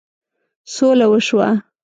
سوله وشوه.